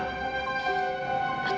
kamu bisa berbicara sama aku